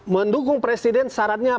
mendukung presiden sarannya